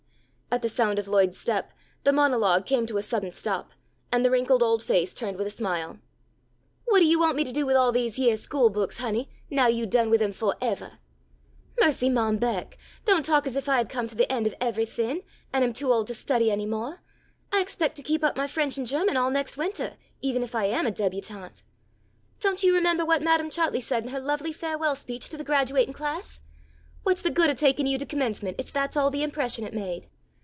At the sound of Lloyd's step the monologue came to a sudden stop, and the wrinkled old face turned with a smile. "What you want me to do with all these yeah school books, honey, now you done with 'em fo' evah?" "Mercy, Mom Beck! don't talk as if I had come to the end of every thing, and am too old to study any moah! I expect to keep up my French and German all next wintah, even if I am a débutante. Don't you remembah what Madam Chartley said in her lovely farewell speech to the graduating class? What's the good of taking you to Commencement, if that's all the impression it made?"